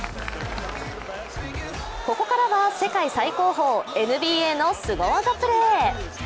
ここからは世界最高峰ＮＢＡのすご技プレー。